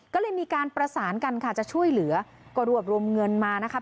ก็เลยมีการประสานกันค่ะจะช่วยเหลือก็รวบรวมเงินมานะคะ